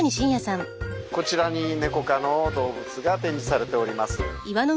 こちらにネコ科の動物が展示されております。